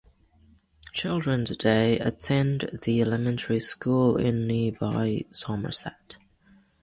Children today attend the elementary school in nearby Somerset.